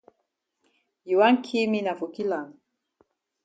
You wan ki me na for kill am.